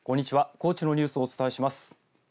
高知のニュースをお伝えします。